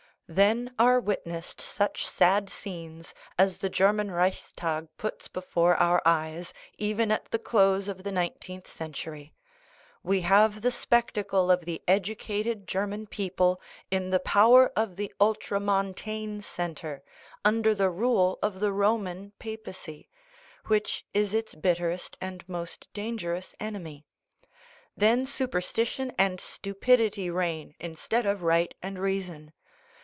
Then are witnessed such sad scenes as the German Reichstag puts before our eyes even at the close of the nineteenth century. We have the spectacle of the educated German people in the power of the ultramontane Centre, under the rule of the Roman papacy, which is its bitterest and most dangerous enemy. Then superstition and stupidity reign instead of right and reason.